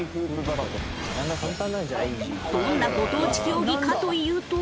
どんなご当地競技かというと。